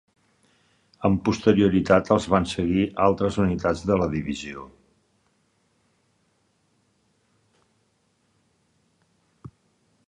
Amb posterioritat els van seguir altres unitats de la divisió.